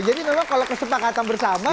jadi kalau kesepakatan bersama